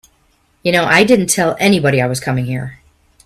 You know I didn't tell anybody I was coming here.